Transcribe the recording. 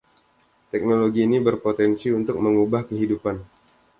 Teknologi ini berpotensi untuk mengubah kehidupan.